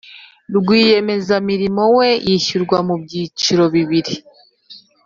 Rwiyemezamirimo we yishyurwa mu byiciro bibiri